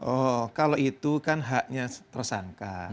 oh kalau itu kan haknya tersangka